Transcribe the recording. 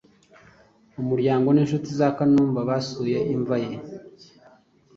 umuryango n’inshuti za Kanumba basuye imva ye